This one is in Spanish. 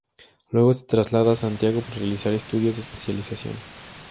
Luego se traslada a Santiago para realizar estudios de especialización.